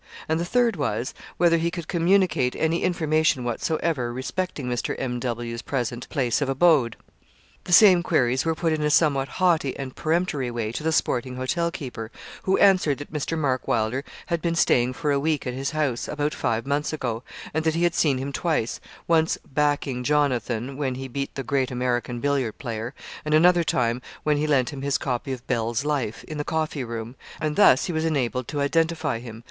And the third was, whether he could communicate any information whatsoever respecting Mr. M.W.'s present place of abode? The same queries were put in a somewhat haughty and peremptory way to the sporting hotel keeper, who answered that Mr. Mark Wylder had been staying for a week at his house, about five months ago; and that he had seen him twice once 'backing' Jonathan, when he beat the great American billiard player; and another time, when he lent him his copy of 'Bell's Life,' in the coffee room; and thus he was enabled to identify him.